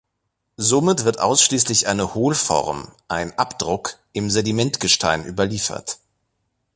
Somit wird ausschließlich eine Hohlform, ein Abdruck, im Sedimentgestein überliefert.